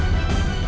aku mau ke rumah